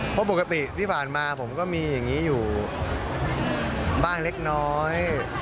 เพราะปกติที่ผ่านมาผมก็มีอย่างนี้อยู่บ้างเล็กน้อย